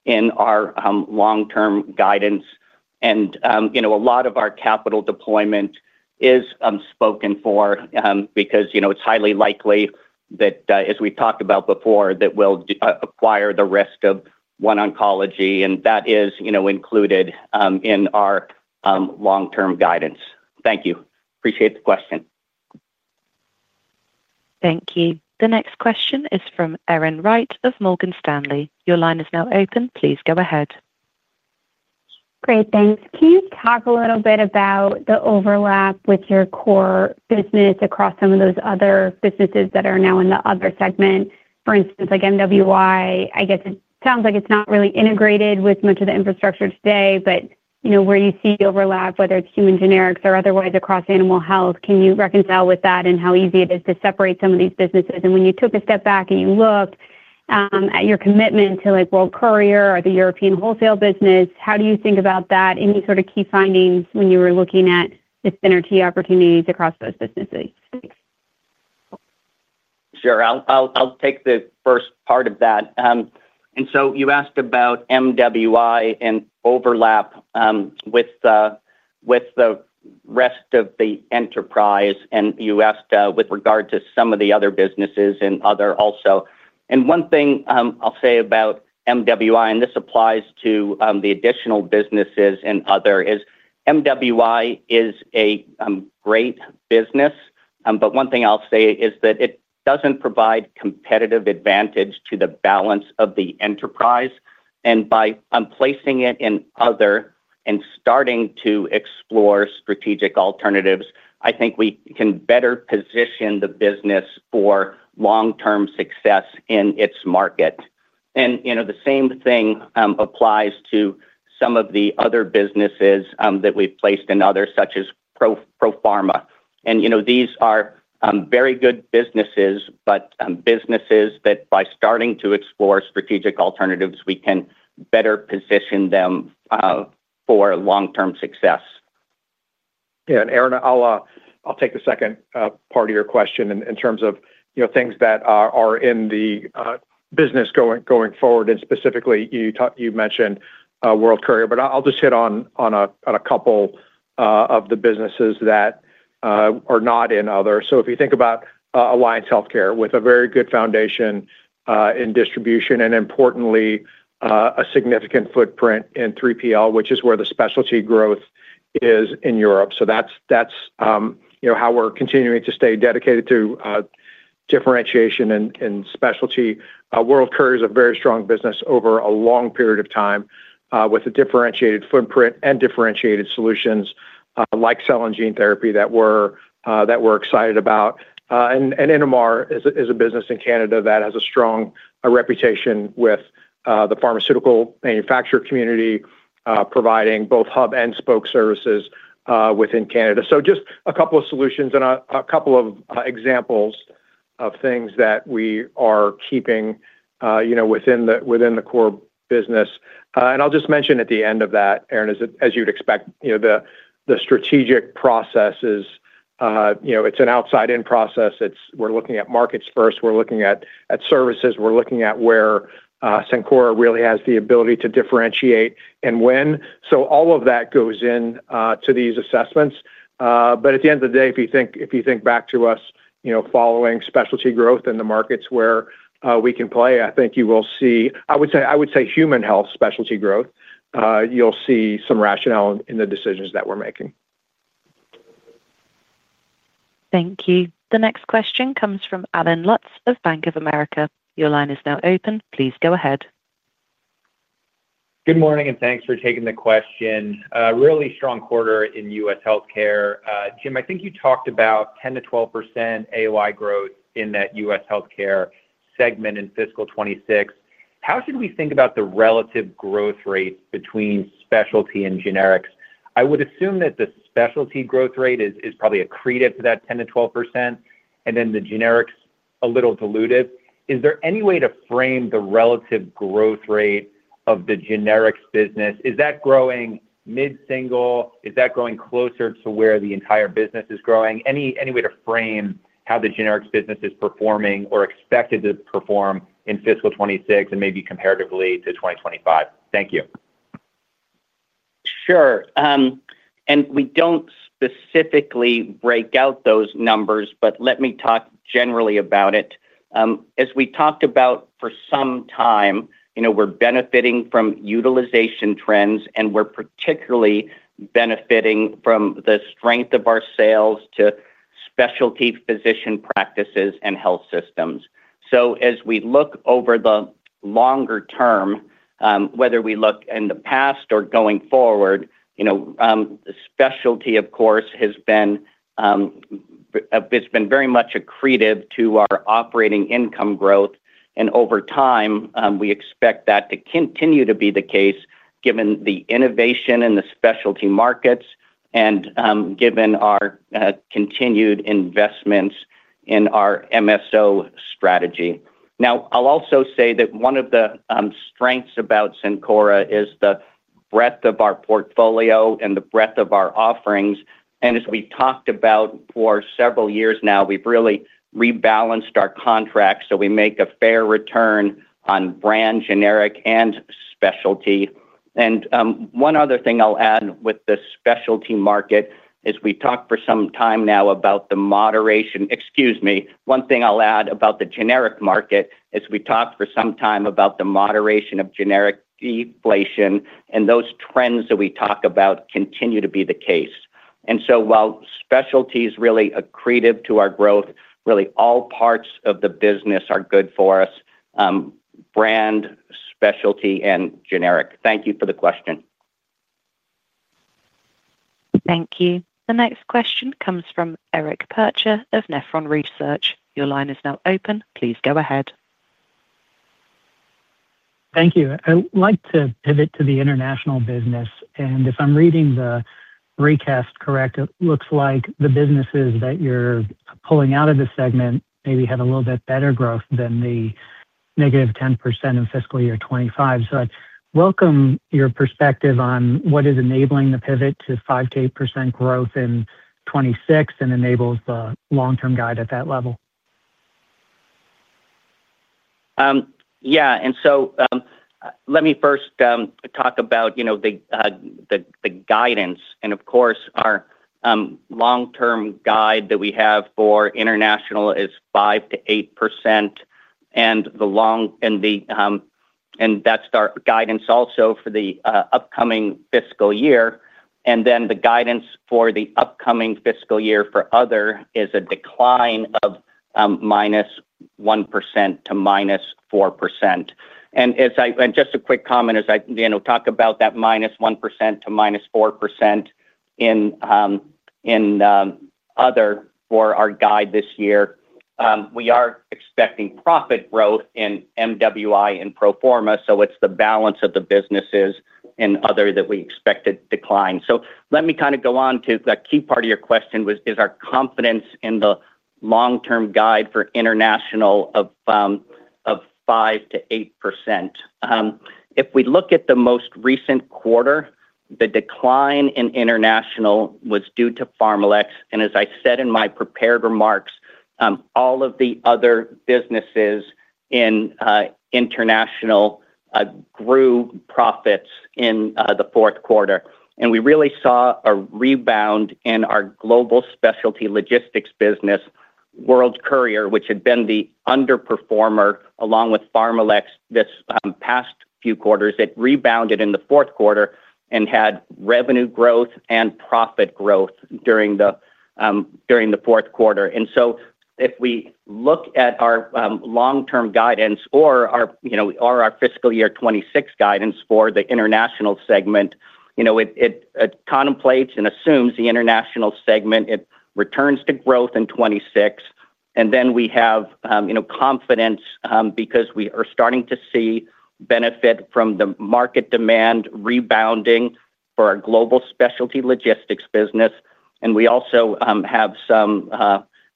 in our long-term guidance. A lot of our capital deployment is unspoken for because it's highly likely that, as we've talked about before, that we'll acquire the rest of OneOncology, and that is included in our long-term guidance. Thank you. Appreciate the question. Thank you. The next question is from Erin Wright of Morgan Stanley. Your line is now open. Please go ahead. Great. Thanks. Can you talk a little bit about the overlap with your core business across some of those other businesses that are now in the other segment? For instance, like MWI, I guess it sounds like it's not really integrated with much of the infrastructure today, but where you see overlap, whether it's human generics or otherwise across animal health, can you reconcile with that and how easy it is to separate some of these businesses? When you took a step back and you looked at your commitment to World Courier or the European wholesale business, how do you think about that? Any sort of key findings when you were looking at the synergy opportunities across those businesses? Sure. I'll take the first part of that. You asked about MWI and overlap with. The rest of the enterprise, and you asked with regard to some of the other businesses and other also. One thing I'll say about MWI, and this applies to the additional businesses and other, is MWI is a great business. One thing I'll say is that it doesn't provide competitive advantage to the balance of the enterprise. By placing it in other and starting to explore strategic alternatives, I think we can better position the business for long-term success in its market. The same thing applies to some of the other businesses that we've placed in others, such as ProPharma. These are very good businesses, but businesses that by starting to explore strategic alternatives, we can better position them for long-term success. Yeah. Erin, I'll take the second part of your question in terms of things that are in the business going forward. Specifically, you mentioned World Courier, but I'll just hit on a couple of the businesses that are not in others. If you think about Alliance Healthcare with a very good foundation in distribution and, importantly, a significant footprint in 3PL, which is where the specialty growth is in Europe. That is how we're continuing to stay dedicated to differentiation and specialty. World Courier is a very strong business over a long period of time with a differentiated footprint and differentiated solutions like cell and gene therapy that we're excited about. Innomar is a business in Canada that has a strong reputation with the pharmaceutical manufacturer community, providing both hub and spoke services within Canada. Just a couple of solutions and a couple of examples of things that we are keeping within the core business. I'll just mention at the end of that, Erin, as you'd expect, the strategic process is. It's an outside-in process. We're looking at markets first. We're looking at services. We're looking at where. Sencora really has the ability to differentiate and when. All of that goes into these assessments. At the end of the day, if you think back to us. Following specialty growth and the markets where we can play, I think you will see—I would say human health specialty growth—you'll see some rationale in the decisions that we're making. Thank you. The next question comes from Allen Lutz of Bank of America. Your line is now open. Please go ahead. Good morning, and thanks for taking the question. Really strong quarter in U.S. healthcare. Jim, I think you talked about 10%-12% AOI growth in that U.S. healthcare segment in fiscal 2026. How should we think about the relative growth rate between specialty and generics? I would assume that the specialty growth rate is probably accretive to that 10%-12%, and then the generics a little diluted. Is there any way to frame the relative growth rate of the generics business? Is that growing mid-single? Is that growing closer to where the entire business is growing? Any way to frame how the generics business is performing or expected to perform in fiscal 2026 and maybe comparatively to 2025? Thank you. Sure. We do not specifically break out those numbers, but let me talk generally about it. As we talked about for some time, we are benefiting from utilization trends, and we are particularly benefiting from the strength of our sales to specialty physician practices and health systems. As we look over the longer term, whether we look in the past or going forward, specialty, of course, has been very much accretive to our operating income growth. Over time, we expect that to continue to be the case given the innovation in the specialty markets and given our continued investments in our MSO strategy. I'll also say that one of the strengths about Sencora is the breadth of our portfolio and the breadth of our offerings. As we've talked about for several years now, we've really rebalanced our contracts so we make a fair return on brand, generic, and specialty. One other thing I'll add with the specialty market is we talked for some time now about the moderation—excuse me. One thing I'll add about the generic market is we talked for some time about the moderation of generic deflation, and those trends that we talk about continue to be the case. While specialty is really accretive to our growth, really all parts of the business are good for us: brand, specialty, and generic. Thank you for the question. Thank you. The next question comes from Eric Percher of Nephron Research. Your line is now open. Please go ahead. Thank you. I'd like to pivot to the international business. If I'm reading the recap correct, it looks like the businesses that you're pulling out of the segment maybe had a little bit better growth than the negative 10% in fiscal year 2025. I welcome your perspective on what is enabling the pivot to 5%-8% growth in 2026 and enables the long-term guide at that level. Yeah. Let me first talk about the guidance. Of course, our long-term guide that we have for international is 5%-8%. That is our guidance also for the upcoming fiscal year. The guidance for the upcoming fiscal year for other is a decline of -1% to -4%. Just a quick comment as I talk about that -1% to -4%. In other for our guide this year, we are expecting profit growth in MWI and ProPharma. It is the balance of the businesses in other that we expect a decline. Let me kind of go on to that key part of your question: is our confidence in the long-term guide for international of 5%-8%? If we look at the most recent quarter, the decline in international was due to PharmaLex. As I said in my prepared remarks, all of the other businesses in international grew profits in the fourth quarter. We really saw a rebound in our global specialty logistics business. World Courier, which had been the underperformer along with PharmaLex this past few quarters, rebounded in the fourth quarter and had revenue growth and profit growth during the fourth quarter. If we look at our long-term guidance or our fiscal year 2026 guidance for the international segment, it contemplates and assumes the international segment returns to growth in 2026. Then we have. Confidence because we are starting to see benefit from the market demand rebounding for our global specialty logistics business. We also have some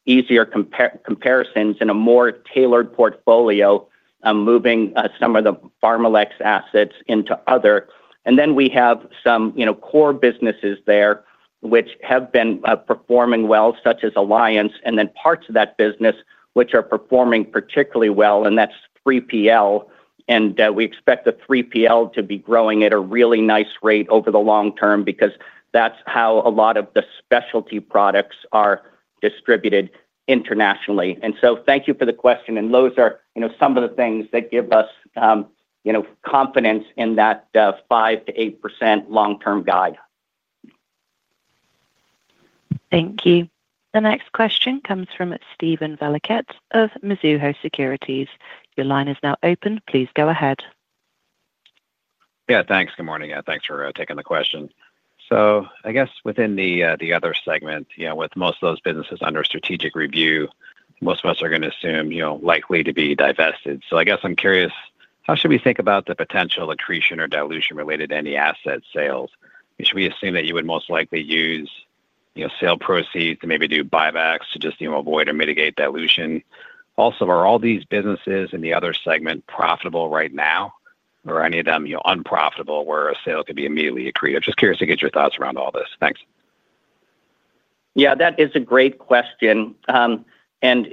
easier comparisons and a more tailored portfolio, moving some of the PharmaLex assets into other. We have some core businesses there which have been performing well, such as Alliance, and then parts of that business which are performing particularly well. That is 3PL. We expect the 3PL to be growing at a really nice rate over the long term because that is how a lot of the specialty products are distributed internationally. Thank you for the question. Those are some of the things that give us confidence in that 5%-8% long-term guide. Thank you. The next question comes from Steven Valiquette of Mizuho Securities. Your line is now open. Please go ahead. Yeah. Thanks. Good morning. Yeah. Thanks for taking the question. I guess within the other segment, with most of those businesses under strategic review, most of us are going to assume likely to be divested. I guess I'm curious, how should we think about the potential accretion or dilution related to any asset sales? Should we assume that you would most likely use sale proceeds to maybe do buybacks to just avoid or mitigate dilution? Also, are all these businesses in the other segment profitable right now? Or are any of them unprofitable where a sale could be immediately accretive? Just curious to get your thoughts around all this. ffThanks. Yeah. That is a great question. As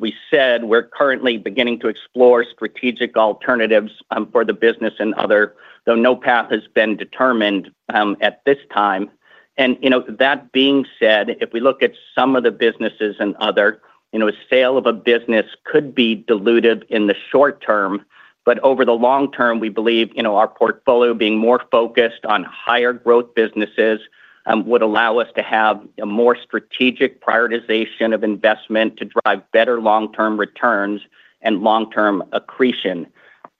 we said, we're currently beginning to explore strategic alternatives for the business and other, though no path has been determined at this time. That being said, if we look at some of the businesses and other, a sale of a business could be dilutive in the short term. Over the long term, we believe our portfolio being more focused on higher growth businesses would allow us to have a more strategic prioritization of investment to drive better long-term returns and long-term accretion.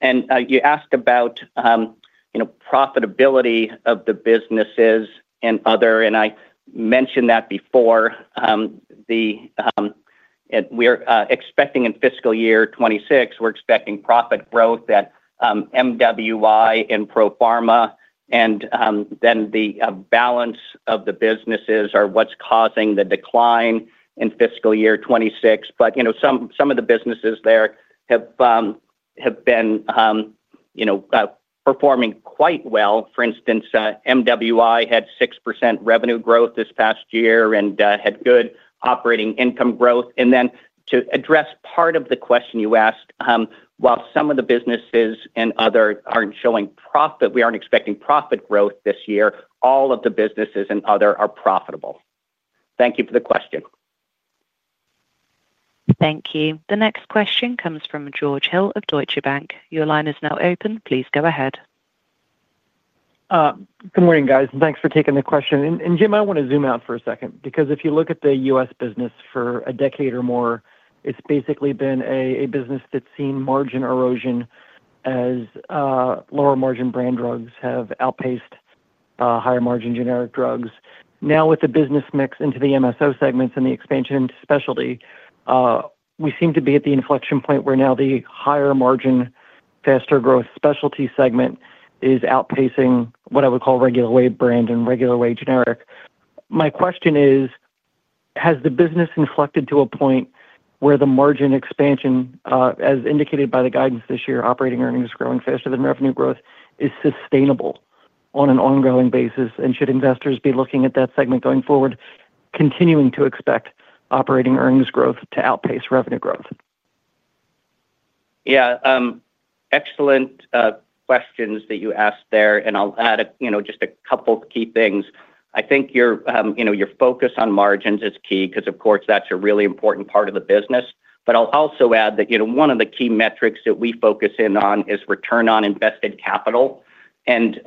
You asked about profitability of the businesses and other, and I mentioned that before. We're expecting in fiscal year 2026, we're expecting profit growth at MWI and ProPharma. The balance of the businesses are what's causing the decline in fiscal year 2026. Some of the businesses there have been performing quite well. For instance, MWI had 6% revenue growth this past year and had good operating income growth. To address part of the question you asked, while some of the businesses in Other are not showing profit, we are not expecting profit growth this year. All of the businesses in Other are profitable. Thank you for the question. Thank you. The next question comes from George Hill of Deutsche Bank. Your line is now open. Please go ahead. Good morning, guys. Thanks for taking the question. Jim, I want to zoom out for a second because if you look at the U.S. business for a decade or more, it has basically been a business that has seen margin erosion as lower margin brand drugs have outpaced higher margin generic drugs. Now, with the business mix into the MSO segments and the expansion into specialty. We seem to be at the inflection point where now the higher margin, faster growth specialty segment is outpacing what I would call regular way brand and regular way generic. My question is, has the business inflected to a point where the margin expansion, as indicated by the guidance this year, operating earnings growing faster than revenue growth, is sustainable on an ongoing basis? And should investors be looking at that segment going forward, continuing to expect operating earnings growth to outpace revenue growth? Yeah. Excellent questions that you asked there. I'll add just a couple of key things. I think your focus on margins is key because, of course, that's a really important part of the business. I'll also add that one of the key metrics that we focus in on is return on invested capital. And.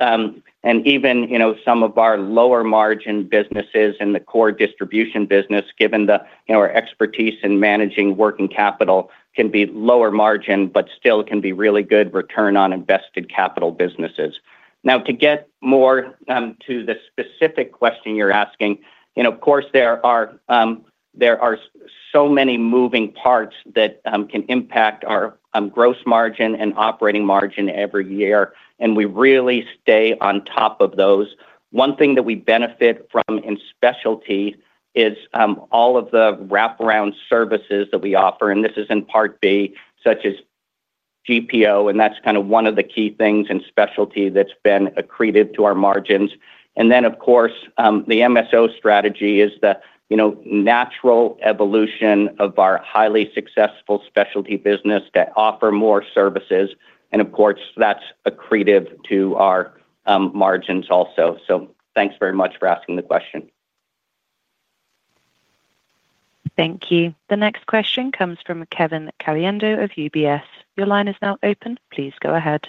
Even some of our lower margin businesses in the core distribution business, given our expertise in managing working capital, can be lower margin but still can be really good return on invested capital businesses. Now, to get more to the specific question you're asking, of course, there are so many moving parts that can impact our gross margin and operating margin every year. We really stay on top of those. One thing that we benefit from in specialty is all of the wraparound services that we offer. This is in part B, such as GPO. That's kind of one of the key things in specialty that's been accretive to our margins. The MSO strategy is the natural evolution of our highly successful specialty business to offer more services. Of course, that's accretive to our margins also. Thank you very much for asking the question. Thank you. The next question comes from Kevin Caliendo of UBS. Your line is now open. Please go ahead.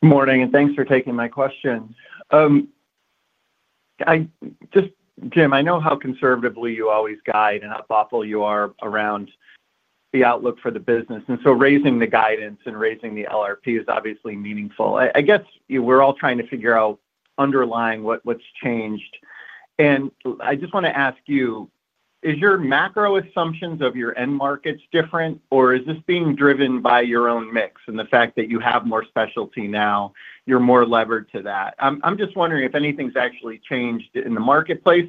Good morning. And thanks for taking my question. Jim, I know how conservatively you always guide and how thoughtful you are around the outlook for the business. Raising the guidance and raising the LRP is obviously meaningful. I guess we are all trying to figure out underlying what has changed. I just want to ask you, are your macro assumptions of your end markets different, or is this being driven by your own mix and the fact that you have more specialty now, you are more levered to that? I'm just wondering if anything's actually changed in the marketplace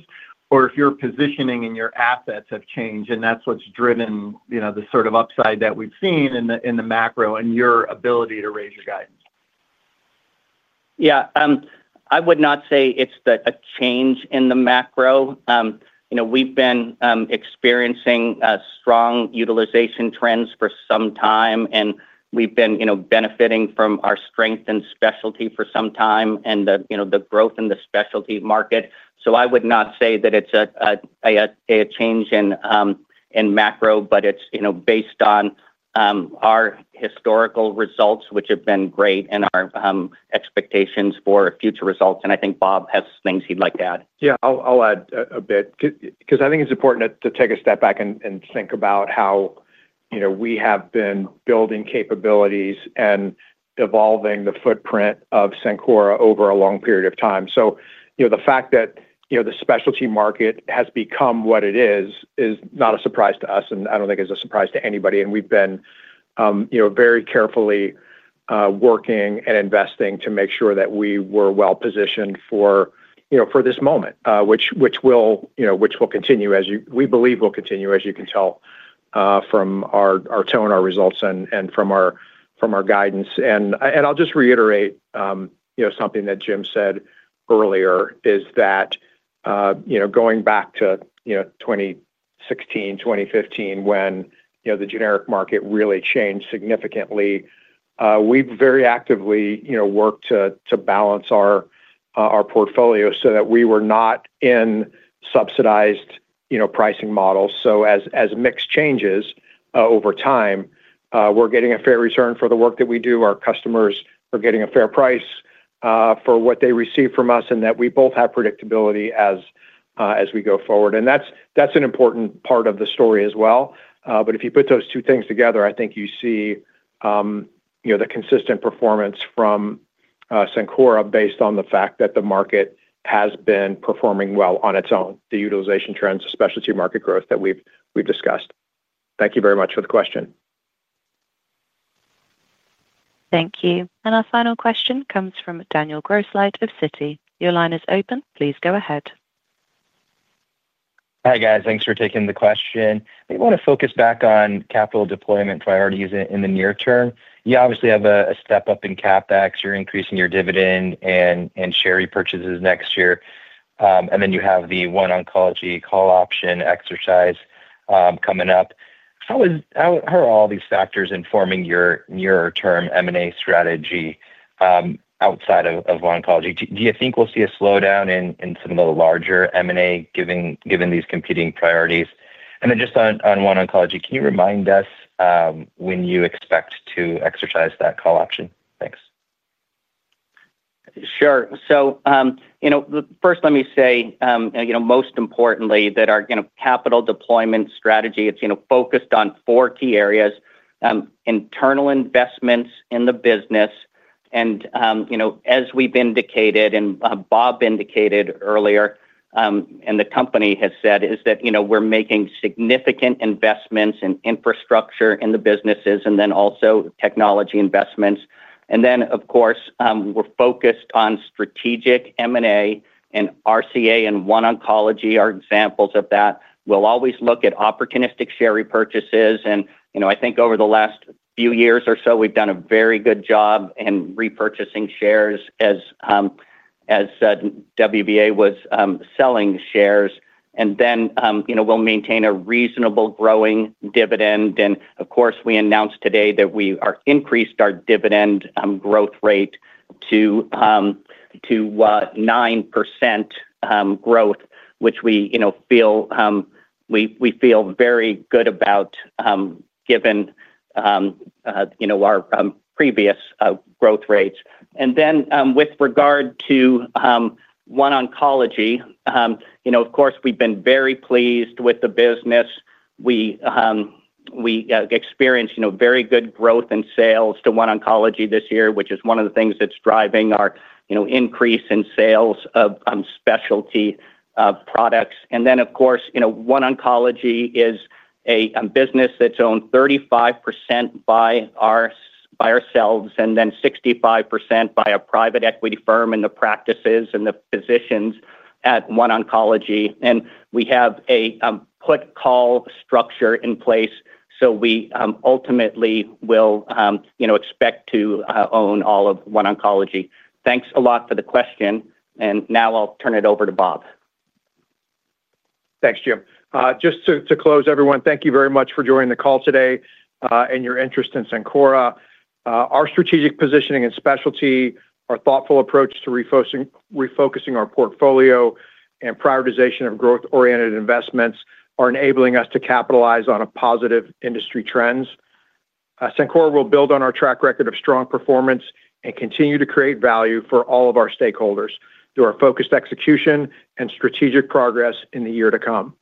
or if your positioning and your assets have changed, and that's what's driven the sort of upside that we've seen in the macro and your ability to raise your guidance. Yeah. I would not say it's a change in the macro. We've been experiencing strong utilization trends for some time, and we've been benefiting from our strength in specialty for some time and the growth in the specialty market. I would not say that it's a change in macro, but it's based on our historical results, which have been great, and our expectations for future results. I think Bob has things he'd like to add. Yeah. I'll add a bit because I think it's important to take a step back and think about how. We have been building capabilities and evolving the footprint of Sencora over a long period of time. The fact that the specialty market has become what it is is not a surprise to us, and I do not think it is a surprise to anybody. We have been very carefully working and investing to make sure that we were well positioned for this moment, which will continue, as we believe will continue, as you can tell from our tone, our results, and from our guidance. I will just reiterate something that Jim said earlier, that going back to 2016, 2015, when the generic market really changed significantly, we have very actively worked to balance our portfolio so that we were not in subsidized pricing models. As mix changes over time, we are getting a fair return for the work that we do. Our customers are getting a fair price for what they receive from us and that we both have predictability as we go forward. That is an important part of the story as well. If you put those two things together, I think you see the consistent performance from Cencora based on the fact that the market has been performing well on its own, the utilization trends, the specialty market growth that we have discussed. Thank you very much for the question. Thank you. Our final question comes from Daniel Grosslight of Citi. Your line is open. Please go ahead. Hi, guys. Thanks for taking the question. I want to focus back on capital deployment priorities in the near term. You obviously have a step up in CapEx. You are increasing your dividend and share repurchases next year. You have the OneOncology call option exercise coming up. How are all these factors informing your near-term M&A strategy. Outside of OneOncology? Do you think we'll see a slowdown in some of the larger M&A given these competing priorities? And then just on OneOncology, can you remind us when you expect to exercise that call option? Thanks. Sure. First, let me say, most importantly, that our capital deployment strategy, it's focused on four key areas. Internal investments in the business. As we've indicated and Bob indicated earlier, and the company has said, is that we're making significant investments in infrastructure in the businesses and then also technology investments. Of course, we're focused on strategic M&A and RCA and OneOncology are examples of that. We'll always look at opportunistic share repurchases. I think over the last few years or so, we've done a very good job in repurchasing shares as. WBA was selling shares. We'll maintain a reasonable growing dividend. Of course, we announced today that we increased our dividend growth rate to 9% growth, which we feel very good about, given our previous growth rates. With regard to OneOncology, we've been very pleased with the business. We experienced very good growth in sales to OneOncology this year, which is one of the things that's driving our increase in sales of specialty products. OneOncology is a business that's owned 35% by ourselves and 65% by a private equity firm and the practices and the physicians at OneOncology. We have a put-call structure in place, so we ultimately will expect to own all of OneOncology. Thanks a lot for the question. Now I'll turn it over to Bob. Thanks, Jim. Just to close, everyone, thank you very much for joining the call today and your interest in Cencora. Our strategic positioning and specialty, our thoughtful approach to refocusing our portfolio and prioritization of growth-oriented investments are enabling us to capitalize on positive industry trends. Cencora will build on our track record of strong performance and continue to create value for all of our stakeholders through our focused execution and strategic progress in the year to come.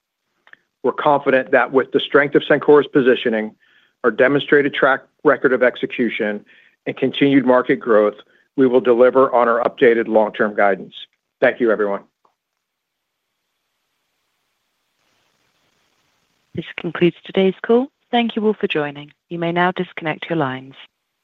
We're confident that with the strength of Cencora's positioning, our demonstrated track record of execution, and continued market growth, we will deliver on our updated long-term guidance. Thank you, everyone. This concludes today's call. Thank you all for joining. You may now disconnect your lines.